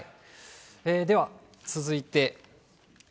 では、続いて。